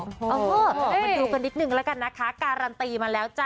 ออกมาดูกันนิดนึงแล้วกันนะคะการันตีมาแล้วจ้ะ